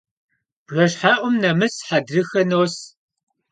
Bjjeşhe'um nemıs hedrıxe no'us.